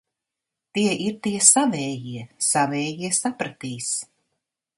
Tie ir tie savējie. Savējie sapratīs.